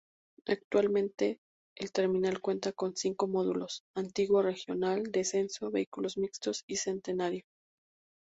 Actualmente el terminal cuenta con cinco módulos: Antiguo, Regional, Descenso, Vehículos Mixtos y Centenario.